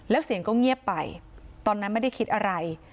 แล้วเสียงก็เงียบไปตอนนั้นไม่ได้คิดอะไร